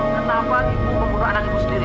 kenapa ibu membunuh anak itu sendiri